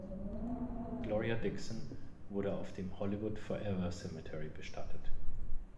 Gloria Dickson wurde auf dem Hollywood Forever Cemetery bestattet.